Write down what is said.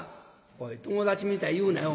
「おい友達みたいに言うなよ。